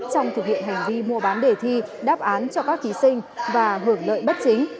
trong thực hiện hành vi mua bán đề thi đáp án cho các thí sinh và hưởng lợi bất chính